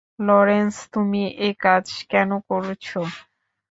Lawrence, তুমি একাজ কেন করছ?